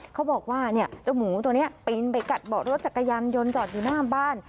เขาบอกว่าเจ้าหมูตัวนี้ปีนไปกัดเบาะรถจักรยานยนต์จอดอยู่หน้าบ้าน